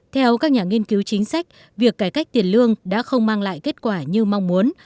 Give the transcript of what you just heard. theo các nhà nghiên cứu chính sách việc cải cách tiền lương đã không mang lại kết quả như mong muốn